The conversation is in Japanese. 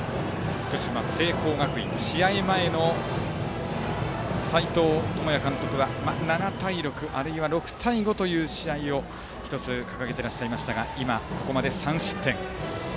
福島・聖光学院試合前の斎藤智也監督は７対６あるいは６対５という試合を１つ、掲げていましたがここまで１失点。